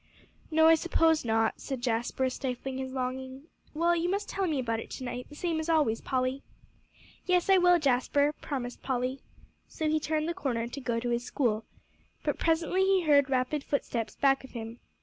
"No, I suppose not," said Jasper, stifling his longing; "well, you must tell me about it to night, the same as always, Polly." "Yes, I will, Jasper," promised Polly. So he turned the corner, to go to his school. But presently he heard rapid footsteps back of him.